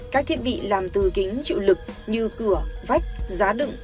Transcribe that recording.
các thiết bị làm từ kính chịu lực như cửa vách giá đựng